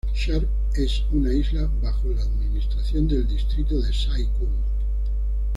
Sharp es una isla bajo la administración del distrito de Sai Kung.